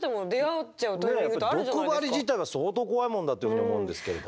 毒針自体は相当怖いもんだというふうに思うんですけれど。